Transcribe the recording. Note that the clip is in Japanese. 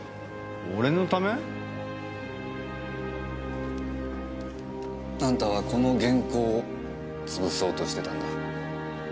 俺のため？あんたはこの原稿を潰そうとしてたんだ。